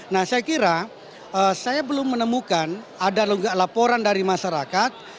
nah saya kira saya belum menemukan ada laporan dari masyarakat